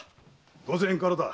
御前からだ。